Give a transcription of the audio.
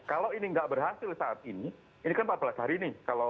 kalau ini nggak berhasil saat ini ini kan empat belas hari nih